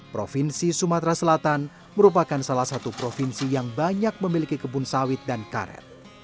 provinsi sumatera selatan merupakan salah satu provinsi yang banyak memiliki kebun sawit dan karet